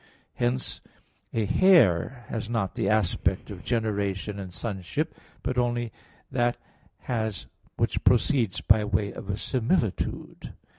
Hence a hair has not the aspect of generation and sonship, but only that has which proceeds by way of a similitude.